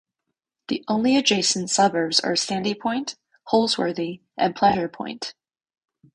The only adjacent suburbs are Sandy Point, Holsworthy and Pleasure Point.